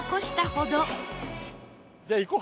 じゃあ行こう。